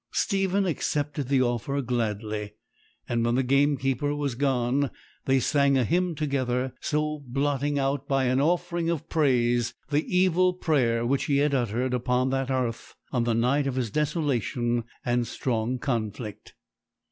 Stephen accepted the offer gladly; and when the gamekeeper was gone, they sang a hymn together, so blotting out by an offering of praise the evil prayer which he had uttered upon that hearth on the night of his desolation and strong conflict.